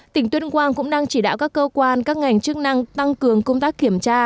tỉnh tuyên quang cũng đang chỉ đạo các cơ quan các ngành chức năng tăng cường công tác kiểm tra